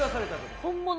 本物。